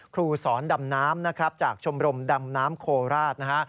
ครูสอนดำน้ำนะครับจากชมรมดำน้ำโคราชนะฮะ